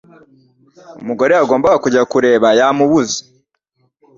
Umugore Yagombaga kujya kureba yamubuze